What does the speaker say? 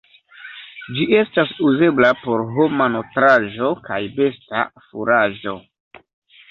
Ĝi estas uzebla por homa nutraĵo kaj besta furaĝo.